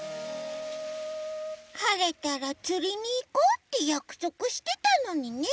はれたらつりにいこうってやくそくしてたのにね。